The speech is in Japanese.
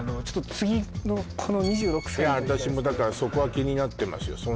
ちょっと次の２６歳の私もだからそこは気になってますよ